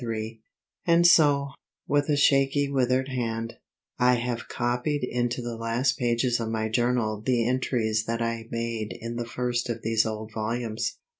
_ And so, with a shaky, withered hand, I have copied into the last pages of my journal the entries that I made in the first of these old volumes.